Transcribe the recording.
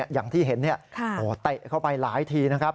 อย่างที่เห็นเตะเข้าไปหลายทีนะครับ